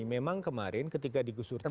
memang kemarin ketika digusur tempat